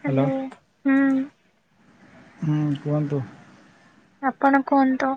Hello ହୁଁ। ହୁଁ କୁହନ୍ତୁ। ଆପଣ କୁହନ୍ତୁ?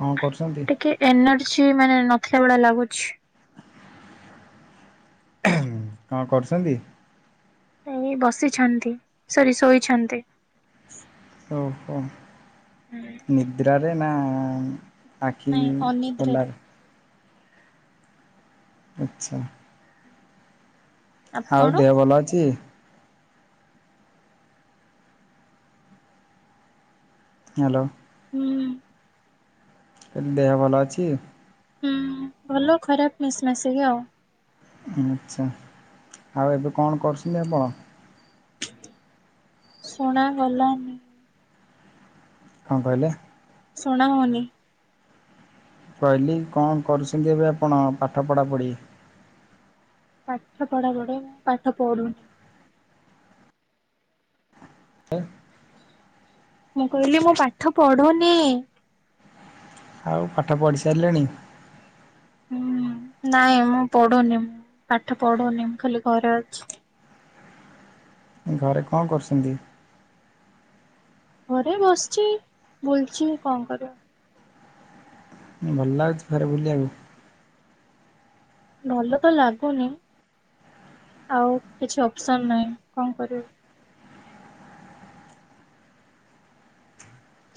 କଣ କରୁଛନ୍ତି? ଟିକେ ଏନର୍ଜି ମାନେ ନଥିଲା ଭଳିଆ ଲାଗୁଛି। କଣ କରୁଚନ୍ତି? ଏ ବସିଛନ୍ତି ସରି ଶୋଇଛନ୍ତି। ଓହୋ ନିଦ୍ରାରେ ନା। ଆଖି ନାଇଁ ଅନିଦ୍ରାରେ ଖୋଲାରେ ଆଚ୍ଛା। ଆଉ ଆପଣ ଦେହ ଭଲ ଅଛି? ହ୍ୟାଲୋ। ହୁଁ। ଦେହ ଭଲ ଅଛି? ହୁଁ, ଭଲ ଖରାପ ମିଶା ମିସିକି ଆଉ। ଆଚ୍ଛା ଆଉ ଏବେ କଣ କରୁଛନ୍ତି ଆପଣ? ଶୁଣା ଗଲାନି। କଣ କହିଲେ? ଶୁଣା ହଉନି କହିଲି କଣ କରୁଛନ୍ତି ଏବେ ଆପଣ ପାଠ ପଢା ପଢି? ପାଠ ପଢା ପଢି ପାଠ ପଢୁ। ଆ। ମୁଁ କହିଲି ମୁଁ ପାଠ ପଢୁନି। ଆଉ ପାଠ ପଢିସାରିଲେଣି। ହୁଁ ନାଇଁ ମୁଁ ପଢୁନି ମୁଁ ପାଠ ପଢୁନି ମୁଁ ଖାଲି ଘରେ ଅଛି। ଘରେ କଣ କରୁଚନ୍ତି। ଘରେ ବସିଛି ବୁଲୁଛି କଣ କରିବା। ଭଲ ଲାଗୁଛି ଘରେ ବୁଲିବାକୁ। ଭଲ ତ ଲାଗୁନି ଆଉ କିଛି ଅପ୍ସନ ନାହିଁ କଣ କରିବୁ।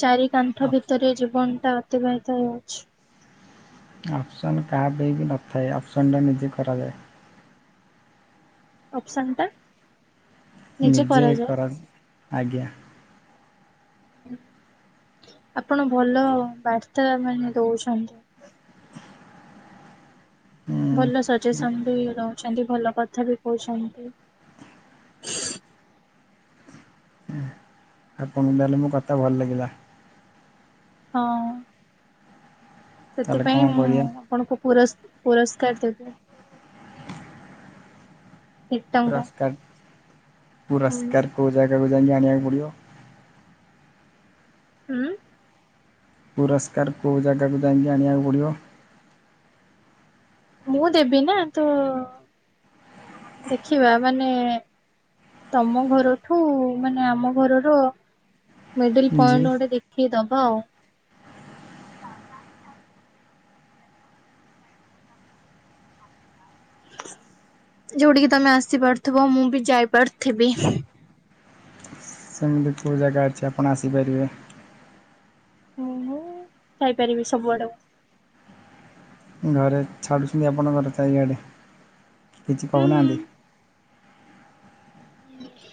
ଚାରି କାଣ୍ଥ ଅପ୍ ଭିତରେ ଜୀବନ ଟା ଅତିବାହିତ ହେଉଛି। ଜିବନ କାହା ପାଇଁ ବି ନଥାଏ ଅପ୍ସନଟା ନିଜେ କରାଯାଏ। ଅପ୍ସନ୍ ଟା ନିଜେ କରନ୍ ଆଜ୍ଞା। ଆପଣ ଭଲ ବାର୍ତ୍ତା ମାନେ ଦଉଛନ୍ତି। ହୁଁ ଭଲ ସଜେସନ ବି ଦୋଉଛନ୍ତି ଭଲ କଥା ବି କହୁଛନ୍ତି। ଆପଣଙ୍କୁ ତାହେଲେ ମୋ କଥା ଭଲ ଲାଗିଲା। ହଁ। ତାହେଲେ କଣ ସେଥିପାଇଁ ମୁଁ କରିବା ଆପଣଙ୍କୁ ପୁରସ୍କ ପୁରସ୍କାର ଦେବି। ଏକ ଟଙ୍କା ପୁରସ୍କାର ହୁଁ ପୁରସ୍କାର କୋଉ ଜାଗାକୁ ଯାଇକି ଆଣିବାକୁ ପଡ଼ିବ। ହୁଁ। ପୁରସ୍କାର କୋଉ ଜାଗାକୁ ଯାଇକି ଆଣିବାକୁ ପଡ଼ିବ। ମୁଁ ଦେବି ନା ତୋ ଦେଖିବା ମାନେ ତମ ଘରଠୁ ମାନେ ଆମ ଘରର ମିଡିଲ୍ ଜି ପଏଣ୍ଟ ଗୋଟେ ଦେଖି ଦବା ଆଉ ଯୋଉଠିକି ତମେ ଆସି ପାରୁଥିବ ମୁଁ ବି ଯାଇପାରୁଥିବି। ସେମିତି କୋଉ ଜାଗା ଅଛି ଆପଣ ଆସିପାରିବେ? ଉଁ ହୁ ଯାଇପାରିବି ସବୁଆଡକୁ। ଘରେ ଛାଡ଼ୁଛନ୍ତି ଆପଣଙ୍କ ଘର ଚାରିଆଡ଼େ କିଛି କହୁନାହାନ୍ତି?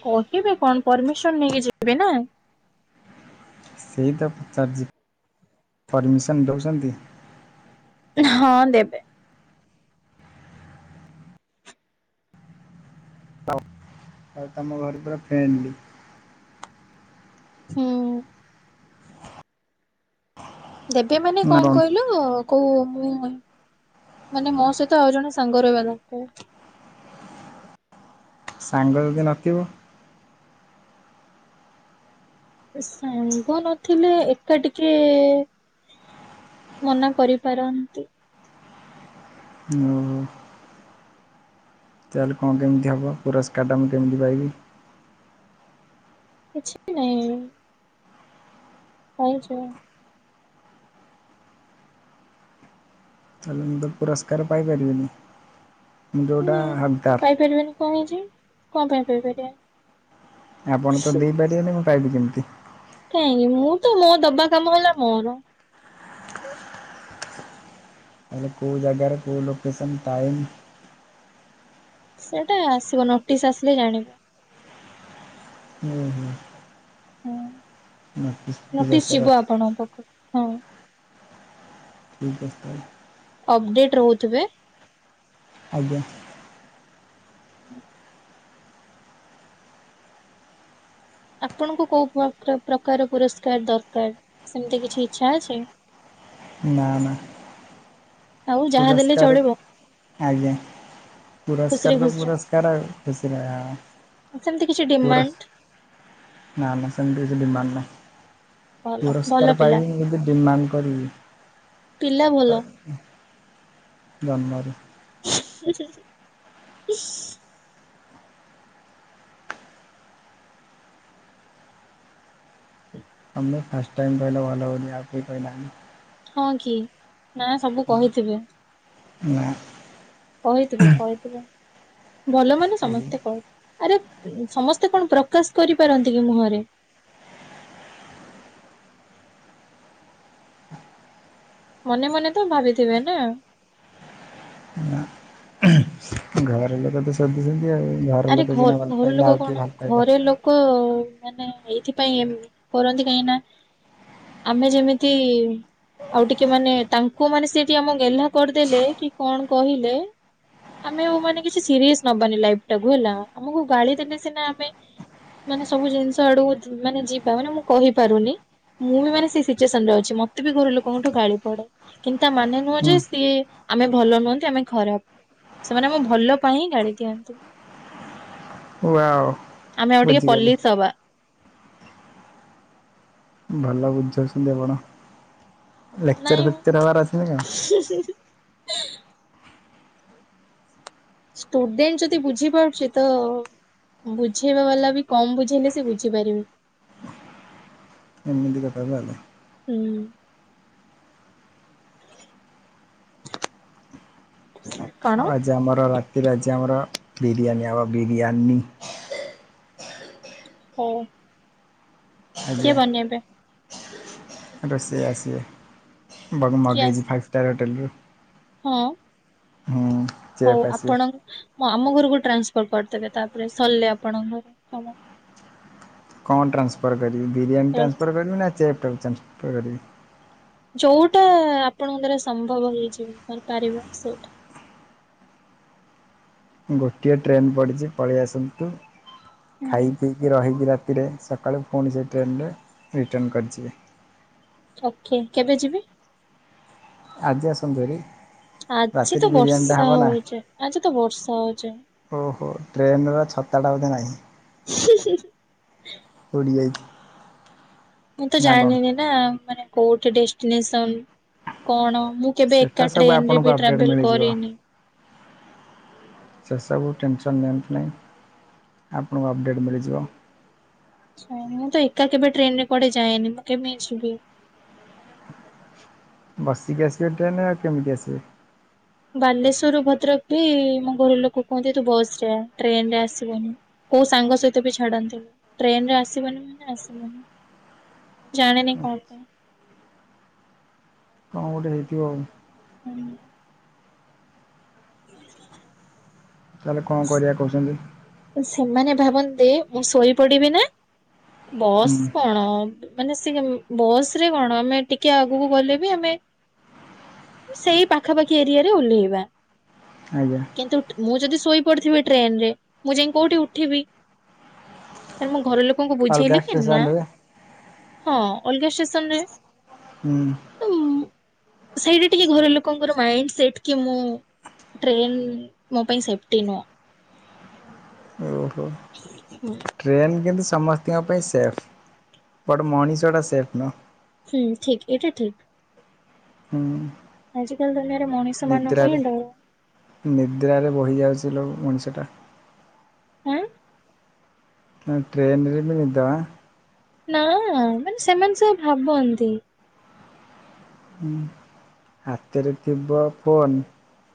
କହିବେ କଣ ପରମିସନ୍‌ ନେଇକି ଯିବି ନା? ସେଇ ତ ପଚାରୁଚି ପରମିସନ୍ ଦଉଛନ୍ତି। ହଁ ଦେବେ। ଆଉ ତମ ଘରେ ପୁରା ଫ୍ରେଣ୍ଡଲି। ହୁଁ। ଦେବେ ମାନେ କଣ କହିଲୁ ତ କହୁ ମୁଁ ମାନେ ମୋ ସହିତ ଆଉ ଜଣେ ସାଙ୍ଗ ରହିବା ଦରକାର। ସାଙ୍ଗ ଯଦି ନଥିବ ସାଙ୍ଗ ନଥିଲେ ଏକା ଟିକେ ମନା କରିପାରନ୍ତି। ଉୁଁ ଅ ହ। ତାହେଲେ କଣ କେମତି ହବ ପୁରସ୍କାରଟା ମୁଁ କେମିତି ପାଇବି। କିଛିବି ନାଇଁ। ଖାଇଚ। ତାହେଲେ ମୁଁ ତ ପୁରସ୍କାର ପାଇପାରିବିନି ମୁଁ ଯେଉଁଟା ହୁଁ। ହକଦାର। ପାଇପାରିବେନି କଣ ହେଇଛି କଣ ପାଇଁ ପାଇପାରିବେନି। ଆପଣ ତ ଦେଇପାରିବେନି ମୁଁ ପାଇବି କେମିତି। କାହିଁକି ମୁଁ ତ ମୋ ଦବା କାମ ହେଲା ମୋର। ତାହେଲେ କୋଉ ଜାଗାରେ କୋଉ ଲୋକେସନ୍ ଟାଇମ୍। ସେଟା ଆସିବ ନୋଟିସ୍ ଆସିଲେ ଜାଣିବ। ହୁଁ ହୁଁ। ହଁ ପିଲା ନୋଟିସ୍ ସାର୍ ଯିବ ଅଛି ଆପଣଙ୍କ ପାଖକୁ ହଁ। ଠିକ୍ ଅଛି ତାହାଲେ। ଅପଡେଟ ରହୁଥିବେ? ଆଜ୍ଞା। ହୁଁ। ଆପଣଙ୍କୁ କୋଉ ପ୍ରକାର ପୁ ପୁରସ୍କାର ଦରକାର, ସେମିତି କିଛି ଇଛା ଅଛି? ନା ନା। ଆଉ ଯାହା ଦେଲେ ପୁରସ୍କାର ଚଳିବ ଆଜ୍ଞା। ଖୁସିରେ ପୁରସ୍କାର ତ ଖୁସିରେ ପୁରସ୍କାର କିଛି ସେମିତି କିଛି ନାହିଁ ଆ ଡିମାଣ୍ଡ ନା ନା ସେମିତି କିଛି ଡିମାଣ୍ଡ ନାହିଁ, ଭଲ ଭଲ ପୁରସ୍କାର ପିଲା ପାଇବି ଡିମାଣ୍ଡ କରିବି। ପିଲା ଭଲ। ଜନ୍ମ ରୁ। ଉହୁଁ ଉଁ ତମେ ଫାଷ୍ଟ ଟାଇମ କହିଲ ଭଲ ଅଲି ଆଉ କେହିଁ କହିନାହାନ୍ତି। ହଁ କି ନା ସବୁ କହିଥିବେ? ନା କହିଥିବେ କହିଥିବେ ଭଲ ମାନେ କେହି ସମସ୍ତେ କ ଆରେ ସମସ୍ତେ କଣ ପ୍ରକାଶ କରିପାରନ୍ତି କି ମୁହଁରେ? ମନେ ମନେ ତ ଭାବିଥିବେ ନା? ନା। ଘରେ ଲୋକ ତ ଶୋଧୁି ଛନ୍ତି ଆଉ ଘର ଆରେ ଲୋକ ସିନା ଭଲ ପାଇଲେ ଆଉ କିଏ ଭଲ ପାଇବ। କୋ ମାନେ ଏଇଥିପାଇଁ ଏମ କରନ୍ତି କାହିଁ ନା ଆମେ ଯେମିତି ଆଉ ଟିକେ ମାନେ ତାଙ୍କୁ ମାନେ ସେ ଟିଏ ଆମ ଗେହ୍ଲା କରିଦେଲେ କି କଣ କହିଲେ ଆମେ ଆଉ ମାନେ କିଛି ସିରିୟେସ ନବାନି ଲାଇପ ଟାକୁ ହେଲା ଆମକୁ ଗାଳି ଦେଲେ ସିନା ଆମେ ମାନେ ସବୁ ଜିନଷ ଆଡକୁ ମାନେ ଯିବା ମାନେ ମୁଁ କହିପାରୁନି। ମୁଁ ବି ମାନେ ସେ ସିଚୁଏସନ ରେ ଅଛି ମତେ ବି ଘର ଲୋକଙ୍କଠୁ ଗାଳି ପଡେ କିନ୍ତୁତା ମାନେ ନୁହଁ ହୁଁ ଯେ ସିଏ ଆମେ ଭଲ ନୁହନ୍ତି ଆମେ ଖରାପ ସେମାନେ ଆମ ଭଲ ପାଇଁ ହିଁ ଗାଳି ଦିଅନ୍ତି। ୱାଓ। ଆମେ ଆଉ ଟିକେ ବୁଝିଗଲି ପଲ୍ଲିସ ହବା। ଭଲ ବୁଝଉଛନ୍ତି ଆପଣ ଲେକ୍ଚର ଫେକ୍ଚର ହେବାର ଅଛିନା କଣ?? ହୁଁ ହୁଁ ହୁଁ। ଷ୍ଟୁଡେଣ୍ଟ ଯଦି ବୁଝିପାରୁଚି ତ ବୁଝେଇବା ବାଲା ବି କମ ବୁଝେଇଲେ ସେ ବୁଝିପାରିବେ। ଏମିତି କଥା ତାହେଲେ। ହୁଁ। କଣ ଆଉ ଆମର ରାତିରେ ଆଜି ଆମର ବିରିୟାନୀ ଅବ ବିରିୟାନୀ। ହଉ। କିଏ ଆଜ୍ଞା। ବନେଇବେ? ରୋଷେଇ ଆସିବେ ବଗ କିଏ ଆସ ମଗାଇଛି ଫାଇଭ୍ ଷ୍ଟାର୍ ହୋଟେଲରୁ। ହଁ। ହୁଁ ହଉ ଚେପ୍ ଆସିବେ। ଆପଣ ମୁଁ ଆମ ଘରକୁ ଟ୍ରାନ୍ସଫର୍ କରିଦେବେ ତାପରେ ସରିଲେ ଆପଣଙ୍କ କାମ। କଣ ଟ୍ରାନ୍ସଫର୍ କରିବି ବିରିୟାନୀ ଟ୍ରାନ୍ସଫର୍ କରିବି ନା ଚେପ ନ୍ସପର୍ କରିବି? ଯୋଉଟା ଆପଣଙ୍କ ଦ୍ୟାର ସମ୍ଭବ ହେଇଯିବ କରିପାରିବ ସେଇଟା। ଗୋଟିଏ ଟ୍ରେନ୍ ପଡ଼ିଛି ପଳେଇ ଆସନ୍ତୁ ହୁଁ ଖାଇ ପିଇକି ରହିକି ରା କିରେ ସକାଳେ ପୁଣି ସେଇ ଟ୍ରେନରେ ରିଟନ୍ କରଜିବେ। ଓକେ କେବେ ଯିବି? ଆଜି ଆସନ୍ତୁ ଦୁରି। ଆଜି ତ ବର୍ଷା ହଉଚି ଆଜି ତ ବର୍ଷା ହଉଚି। ଓହୋ ଟ୍ରେନ୍ ଛତାଟା ବୋଧେ ନାହିଁ। [inaudible] ଓଡ଼ି ଆଇ। ମୁଁ ତ ଜାଣିନିନା ମାନେ କୋଉଠି ଡେଷ୍ଟିନେସନ୍? କଣ ମୁଁ କେବେ ସେଟା ଏକା ସବୁ ଟ୍ରେନ୍ ରେ ଆପଣଙ୍କୁ ବି ଅପଡ଼େଟ୍ ଟ୍ରାଭେଲ୍ ମିଳିଯିବ କରିନି। ସେସବୁ ଟେନସନ୍ ନିଅନ୍ତୁ ନାହିଁ, ଆପଣଙ୍କୁ ଅପଡ଼େଟ୍ ମିଳିଯିବ। ଆଚ୍ଛା ମୁଁ ତ ଏକା କେବେ ଟ୍ରେନରେ କୁଆଡେ ଯାଇନି ମୁଁ କେମିତି ଯିବି? ବସିକି ଆସିବେ ଟ୍ରେନ୍ ରେ ଆଉ କେମିତି ଆସିବେ। ବାଲେଶ୍ଵରରୁ ଭଦ୍ରକ ବି ମୋ ଘର ଲୋକ କୁହନ୍ତି ତୁ ବସ୍ ରେ ଆ ଟ୍ରେନରେ ଆସିବୁନି। କୋଉ ସାଙ୍ଗ ସହିତ ବି ଛାଡନ୍ତିନି ଟ୍ରେନ୍ ରେ ଆସିବନି ମାନେ ଆସିବନି। ଜାଣିନି କଣ ପାଇଁ। କଣ ଗୋଟେ ହେଇଥିବ ଆଉ। ହୁଁ। ତାହେଲେ କଣ କରିବା କହୁଛନ୍ତି? ସେମାନେ ଭାବନ୍ତି ମୁଁ ଶୋଇ ପଡିବି ନା, ବସ୍ ହୁଁ କଣ ମାନେ ସେ ବସ୍ ରେ କଣ ଆମେ ଟିକେ ଆଗକୁ ଗଲେ ବି ଆମେ ସେଇ ପାଖାପାଖି ଏରିଆରେ ଓହ୍ଲେଇବା। ଆଜ୍ଞା। କିନ୍ତୁ ମୁଁ ଯଦି ଶୋଇପଡିଥିବି ଟ୍ରେନ୍ ରେ ମୁଁ ଯାଇ କୋଉଠି ଉଠିବି। ତାଲେ ମୁଁ ଘର ଲୋକଙ୍କୁ ଅଲଗା ବୁଝେଇଲି କି ନା ଷ୍ଟେସନରେ ହଁ ଅଲଗା ଷ୍ଟେସନରେ। ହୁଁ। ସେଇଟି ଟିକେ ଘର ଲୋକଙ୍କର ମାଇଣ୍ଡ ସେଟ୍ କି ମୁଁ ଟ୍ରେନ୍ ମୋ ପାଇଁ ସେପ୍ଟି ନୁଅଁ। ଓହୋ। ହୁଁ। ଟ୍ରେନ୍ କିନ୍ତୁ ସମସ୍ତିଙ୍କ ପାଇଁ ସେଫ୍ ବଟ ମଣିଷଟା ସେଫ୍ ନୁହଁ। ହୁଁ ଠିକ୍ ଏଇଟା ଠିକ୍। ହୁଁ। ଆଜିକାଲି ଦୁନିଆରେ ମଣିଷ ମାନଙ୍କୁ ହିଁ ନିଦ୍ରାରେ ଡର। ନିଦ୍ରାରେ ବହିଯାଉଚି ଲୋ ମଣିଷଟା। ଆଁ। ଟ୍ରେନ୍ ରେ ବି ନିଦ ଆଁ? ନାଁ ମାନେ ସେମାନେ ସେୟା ଭାବନ୍ତି। ହୁଁ ହାତରେ ଥିବ ଫୋନ୍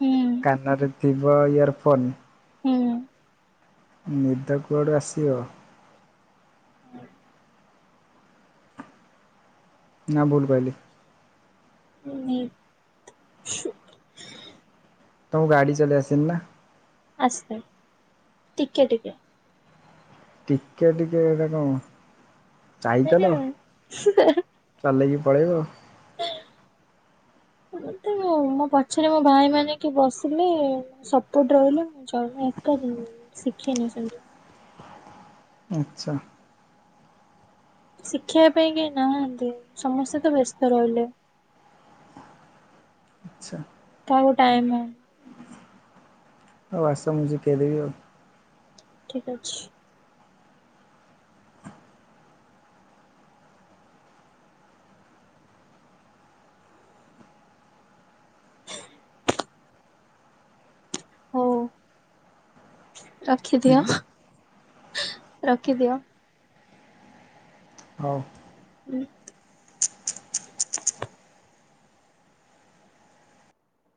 ହୁଁ କାନରେ ଥି ବ ଇୟରଫୋନ୍। ହୁଁ। ନିଦ କୁଆଡ଼ୁ ଆସିବ। ନା ଭୁଲ୍ କଇଲି? [unintelligible] ତମୁ ଗାଡି ଚଲେଇ ଆସେନି ନା? ଆସେ ଟିକେ-ଟିକେ। ଟିକେ-ଟିକେ ଏଟା କଣ ଚାଇକଲ। ମାନେ ଚଲେଇକି ପଳେଇବ। ମତେ ମୋ-ମୋ ପଛେରେ ମୋ ଭାଇମାନେ କିଏ ବସିଲେ ସପୋର୍ଟ ରହିଲେ ମୁଁ ଚଲାଏ ଏକା [unintelligible] ଶିଖିନି ସେମିତି। ଆଚ୍ଛା। ଶିଖେଇବା ପାଇଁ କେହି ନାହାନ୍ତି, ସମସ୍ତେ ତ ବ୍ୟସ୍ତ ରହିଲେ। ଆଚ୍ଛା। କାଆକୁ ଟାଇମ ହୋନି। ହୋଉ ଆସ ମୁଁ ସିକେଇ ଦେବି ଆଉ। ଠିକ୍ ଅଛି। ହଉ ରଖିଦିଅ। ରଖିଦିଅ। ହଉ। ଉଁ।